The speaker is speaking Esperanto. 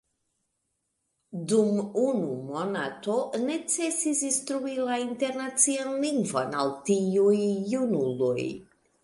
Dum unu monato necesis instrui la Internacian Lingvon al tiuj junuloj.